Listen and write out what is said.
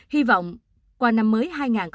hy vọng qua năm mới hai nghìn hai mươi bốn